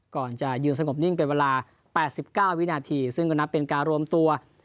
ก่อนจะยืนสงบนิ่งเป็นเวลา๘๙วินาทีซึ่งก็นับเป็นการรวมตัว